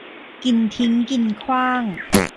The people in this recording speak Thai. กินทิ้งกินขว้าง